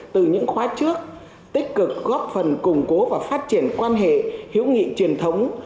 từ những khóa trước tích cực góp phần củng cố và phát triển quan hệ hiếu nghị truyền thống